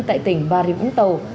tại tỉnh bà rịu úng tàu